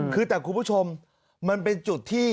คือแต่คุณผู้ชมมันเป็นจุดที่